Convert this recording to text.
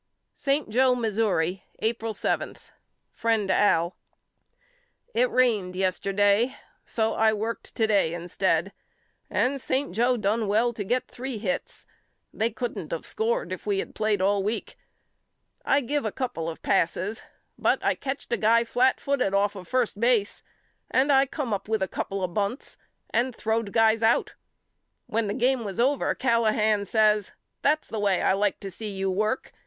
St. Joe, Missouri, April 7. FRIEND AL: It rained yesterday so I worked to day instead and St. Joe done well to get three hits. They couldn't of scored if we had played all week. I give a couple of passes but I catched a guy flatfooted off of first base and I come up with a couple of bunts and throwed guys out. When the game was over Callahan says That's the way I like to see you work.